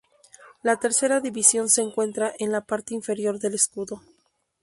La tercera división se encuentra en la parte inferior del escudo.